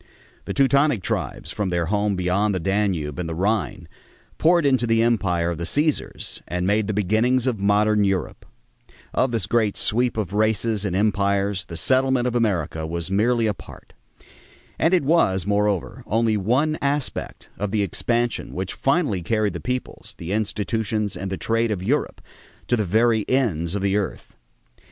The Teutonic tribes, from their home beyond the Danube and the Rhine, poured into the empire of the Cæsars and made the beginnings of modern Europe. Of this great sweep of races and empires the settlement of America was merely a part. And it was, moreover, only one aspect of the expansion which finally carried the peoples, the institutions, and the trade of Europe to the very ends of the earth.